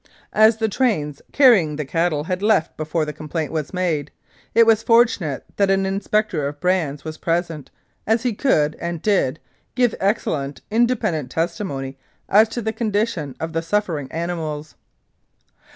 As the trains carrying the cattle had left before the complaint was made, it was fortunate that an Inspector of Brands was present, as he could, and did, give excellent independent testimony as to the condition of the suffering animals.